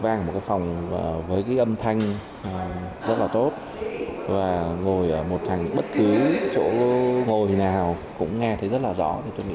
và ngồi ở một thành bất cứ chỗ ngồi nào cũng nghe thấy rất là rõ